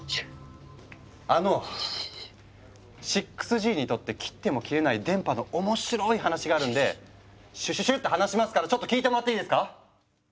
あの６Ｇにとって切っても切れない電波の面白い話があるんでシュッシュッシュッて話しますからちょっと聞いてもらっていいですか？